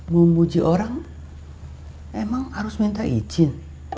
mau muji orang emang harus minta izin